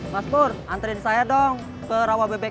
mas pur antriin saya dong ke rawa bebek sembilan